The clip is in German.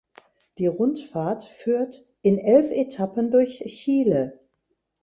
Die Rundfahrt führt in elf Etappen durch Chile.